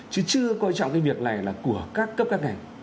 chứ chưa coi trọng cái việc này là của các cấp các ngành